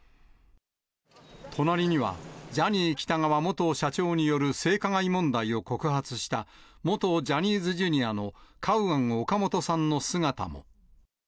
隣には、ジャニー喜多川元社長による性加害問題を告発した、元ジャニーズＪｒ．のカウアン・オカモトさんの姿も。